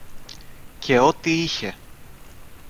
και ό,τι είχε